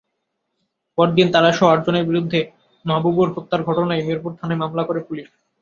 পরদিন তাঁরাসহ আটজনের বিরুদ্ধে মাহাবুবুর হত্যার ঘটনায় মিরপুর থানায় মামলা করে পুলিশ।